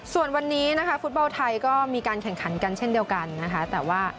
ส่วนวันนี้นะคะฟุตบอลไทยก็มีการแข่งขันกันเช่นเดียวกันนะคะแต่ว่า